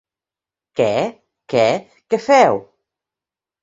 Què, què, què feu?